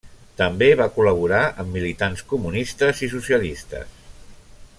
També va col·laborar amb militants comunistes i socialistes.